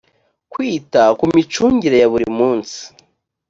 kwita ku micungire ya buri munsi